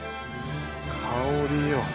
香りよ。